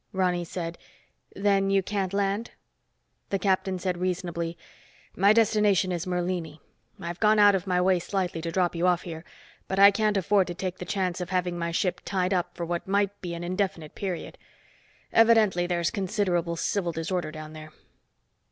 Ronny said, "Then you can't land?" The captain said reasonably, "My destination is Merlini. I've gone out of my way slightly to drop you off here. But I can't afford to take the chance of having my ship tied up for what might be an indefinite period. Evidently, there's considerably civil disorder down there."